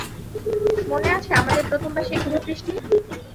মনে আছে–আমাদের প্রথমবার সেই শুভদৃষ্টি?